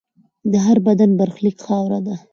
د هر بدن برخلیک خاوره ده.